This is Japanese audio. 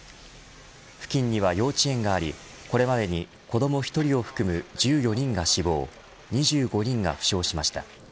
付近には幼稚園がありこれまでに子ども１人を含む１４人が死亡２５人が負傷しました。